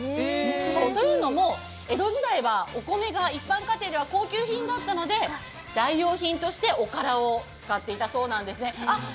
というのも江戸時代はお米が一般家庭では高級品だったので代用品としておからを使っていたそうなんです。